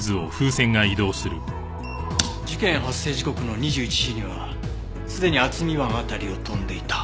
事件発生時刻の２１時にはすでに渥美湾辺りを飛んでいた。